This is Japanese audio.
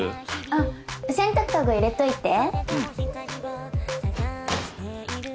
あっ洗濯かご入れといて。